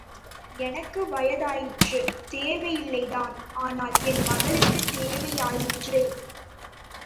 எனக்கு வயதாயிற்று, தேவையில்லை தான், ஆனால் என் மகளுக்குத் தேவையாயிற்றே.